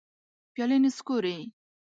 پیالي نسکوري